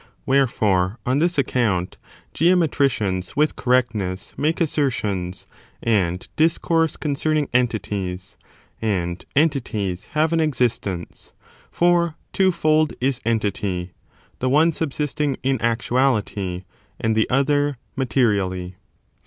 Wherefore, on this account, geometricians, with correctness, make asser tions, and discourse concerning entities, and entities have an existence, (for twofold is entity,) the one subsisting in actu ality and the other materially.